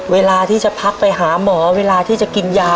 เวลาที่จะพักไปหาหมอเวลาที่จะกินยา